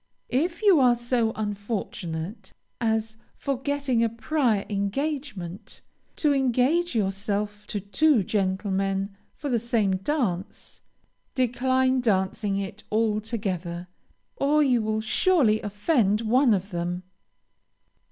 If you are so unfortunate as, forgetting a prior engagement, to engage yourself to two gentlemen for the same dance, decline dancing it altogether, or you will surely offend one of them.